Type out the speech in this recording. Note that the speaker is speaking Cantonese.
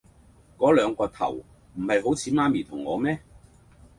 嗰兩個頭唔係好似媽咪同我咩